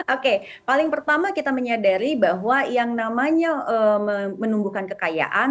oke paling pertama kita menyadari bahwa yang namanya menumbuhkan kekayaan